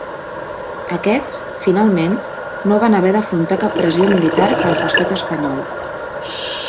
Aquests, finalment, no van haver d'afrontar cap pressió militar pel costat espanyol.